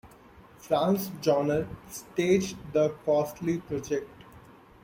Franz Jauner staged the costly project.